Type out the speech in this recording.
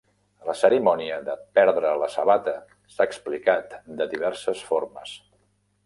La cerimònia de perdre la sabata s"ha explicat de diverses formes.